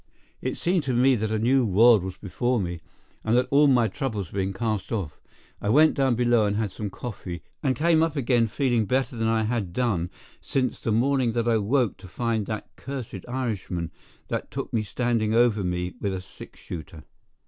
It seemed to me that a new world was before me, and that all my troubles had been cast off. I went down below and had some coffee, and came up again feeling better than I had done since the morning that I woke to find that cursed Irishman that took me standing over me with a six shooter.